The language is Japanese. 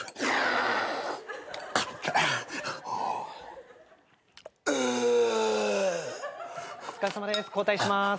お疲れさまです。